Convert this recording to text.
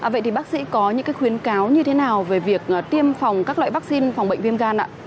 vậy thì bác sĩ có những khuyến cáo như thế nào về việc tiêm phòng các loại vaccine phòng bệnh viêm gan ạ